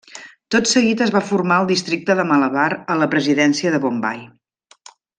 Tot seguit es va formar el districte de Malabar a la presidència de Bombai.